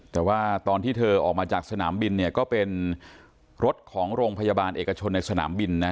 แต่ว่าตอนที่เธอออกมาจากสนามบินเนี่ยก็เป็นรถของโรงพยาบาลเอกชนในสนามบินนะ